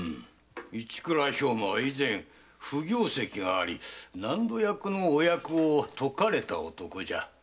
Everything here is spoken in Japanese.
市倉兵馬は以前不行跡があり納戸役のお役を解かれた男だ。